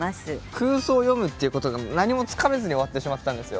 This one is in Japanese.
空想を詠むっていうことが何もつかめずに終わってしまったんですよ。